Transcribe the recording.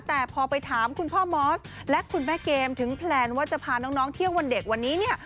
แต่พอไปถามคุณพ่อมอสและคุณแม่เกมถึงแพลนว่าจะพาน้องเที่ยววันเด็กวันนี้เนี่ย